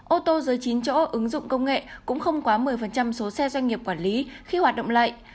ô tô dưới chín chỗ ứng dụng công nghệ cũng không quá một mươi số xe doanh nghiệp quản lý khi hoạt động lại